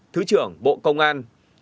thứ trưởng bộ công an